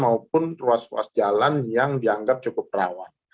maupun ruas ruas jalan yang dianggap cukup rawan